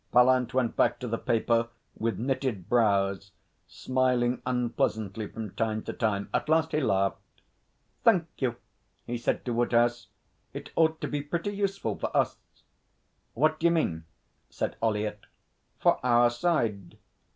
Pallant went back to the paper with knitted brows, smiling unpleasantly from time to time. At last he laughed. 'Thank you!' he said to Woodhouse. 'It ought to be pretty useful for us.' 'What d'you mean?' said Ollyett. 'For our side.